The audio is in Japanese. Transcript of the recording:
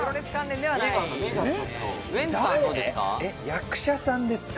役者さんですか？